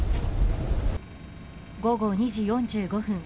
午後２時４５分